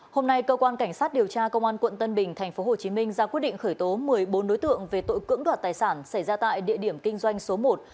hôm nay cơ quan cảnh sát điều tra công an quận tân bình tp hcm ra quyết định khởi tố một mươi bốn đối tượng về tội cưỡng đoạt tài sản xảy ra tại địa điểm kinh doanh số một